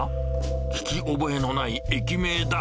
聞き覚えのない駅名だ。